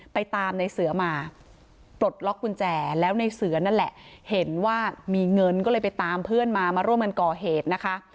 ไปตามในเสือมาปลดล็อกกุญแจแล้วในเสือนั่นแหละเห็นว่ามีเงินก็เลยไปตามเพื่อนมามาร่วมกันก่อเหตุนะคะ